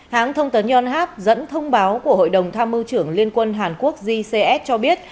hãng thông tấn yonhap dẫn thông báo của hội đồng tham mưu trưởng liên quân hàn quốc gcs cho biết